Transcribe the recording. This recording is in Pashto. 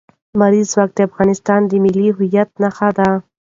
لمریز ځواک د افغانستان د ملي هویت نښه ده.